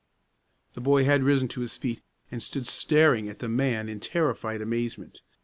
The boy had risen to his feet, and stood staring at the man in terrified amazement.